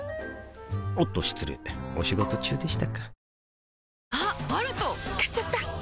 おっと失礼お仕事中でしたか